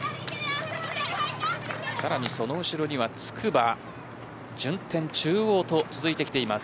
その後ろには筑波順天、中央と続いてきています。